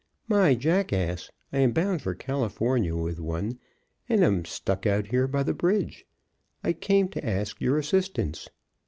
"My jackass! I am bound for California with one, and am stuck out there by the bridge. I came to ask your assistance."